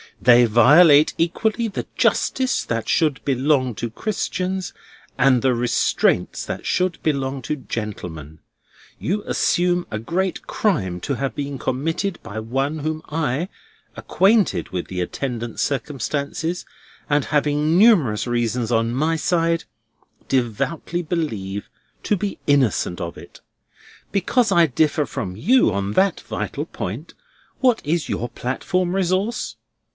They violate equally the justice that should belong to Christians, and the restraints that should belong to gentlemen. You assume a great crime to have been committed by one whom I, acquainted with the attendant circumstances, and having numerous reasons on my side, devoutly believe to be innocent of it. Because I differ from you on that vital point, what is your platform resource?